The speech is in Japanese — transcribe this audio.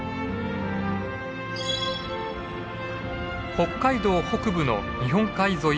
北海道北部の日本海沿い